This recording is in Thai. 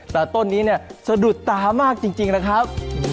แต่ต้นนี้เนี่ยสะดุดตามากจริงนะครับ